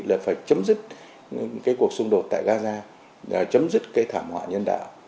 là phải chấm dứt cuộc xung đột tại gaza chấm dứt thảm họa nhân đạo